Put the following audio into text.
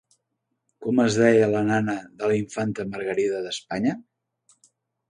Com es deia la nana de la infanta Margarida d'Espanya?